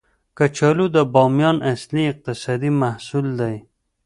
کچالو د بامیان اصلي اقتصادي محصول دی